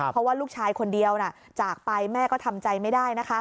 เพราะว่าลูกชายคนเดียวจากไปแม่ก็ทำใจไม่ได้นะคะ